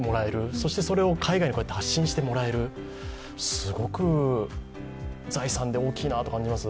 そしてそれを海外に発信してもらえるすごく財産で、大きいなと感じます。